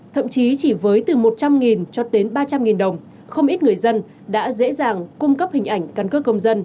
thậm chí chỉ với từ một trăm linh cho đến ba trăm linh đồng không ít người dân đã dễ dàng cung cấp hình ảnh căn cước công dân